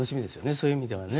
そういう意味ではね。